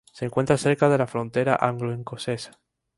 Se encuentra cerca de la frontera anglo-escocesa.